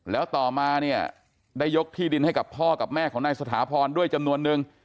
แล้วต่อมาเนี่ยได้ยกที่ดินให้กับพ่อกับแม่ของนายสถาพรด้วยจำนวนนึง